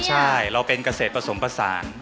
ใช่เราเป็นเกษตรผสมผสาน